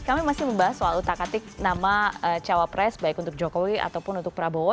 kami masih membahas soal utak atik nama cawapres baik untuk jokowi ataupun untuk prabowo